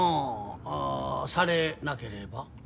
ああされなければ？